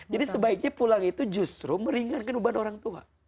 jadi sebaiknya pulang itu justru meringankan huban orang tua